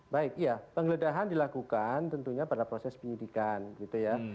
baik ya penggeledahan dilakukan tentunya pada proses penyidikan gitu ya